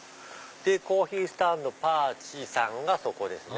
コーヒースタンドパーチさんがそこですね。